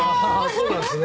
そうなんですね。